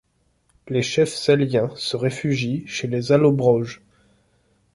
Les chefs Salyens se réfugient chez les Allobroges.